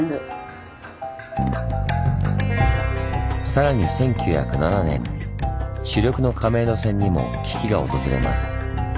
更に１９０７年主力の亀戸線にも危機が訪れます。